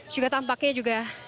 juga tampaknya juga